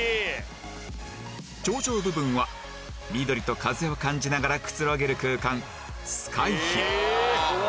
頂上部分は緑と風を感じながらくつろげる空間